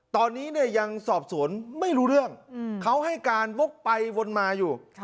ตอนนี้เนี่ยยังสอบสวนไม่รู้เรื่องเขาให้การวกไปวนมาอยู่